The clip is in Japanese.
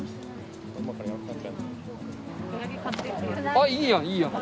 あいいやんいいやん。